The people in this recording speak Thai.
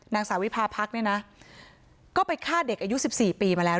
นางสาวิพาพักเนี่ยนะก็ไปฆ่าเด็กอายุ๑๔ปีมาแล้ว